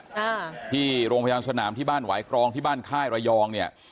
อ่าที่โรงพยาบาลสนามที่บ้านหวายกรองที่บ้านค่ายระยองเนี่ย